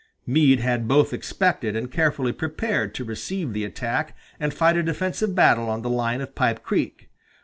Meade had both expected and carefully prepared to receive the attack and fight a defensive battle on the line of Pipe Creek.